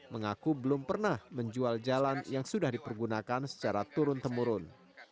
mengaku belum pernah menjual jalan yang sudah dipergunakan secara turun temurun